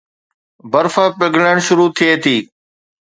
برف پگھلڻ شروع ٿئي ٿي